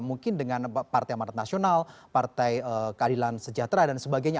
mungkin dengan partai amarat nasional partai keadilan sejahtera dan sebagainya